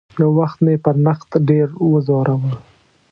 یو وخت مې پر نقد ډېر وځوراوه.